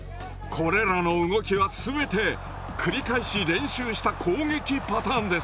これらの動きは全て繰り返し練習した攻撃パターンです。